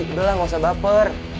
udah lah gak usah baper